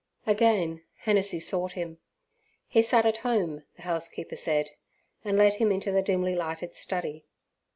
Again Hennessey sought him. He sat at home, the house keeper said, and led him into the dimly lighted study.